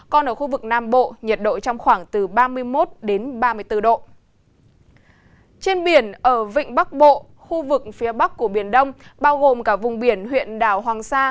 các bộ khu vực phía bắc của biển đông bao gồm cả vùng biển huyện đảo hoàng sa